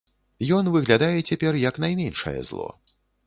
Ён выглядае цяпер як найменшае зло.